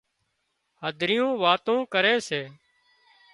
هڌريون واتون ڪري سي